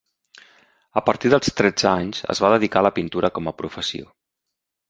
A partir dels tretze anys es va dedicar a la pintura com a professió.